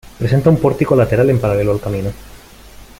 Presenta un pórtico lateral en paralelo al camino.